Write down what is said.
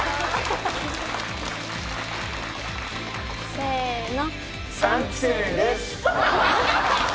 せの。